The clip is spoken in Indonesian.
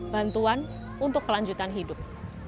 dan untuk kelanjutan hidup